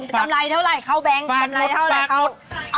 กำไรเท่าไรเขาแบงกกำไรเท่าไรเขา